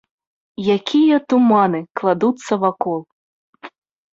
Якія туманы кладуцца вакол!